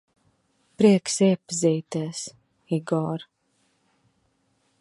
Prieks iepazīties, Igor.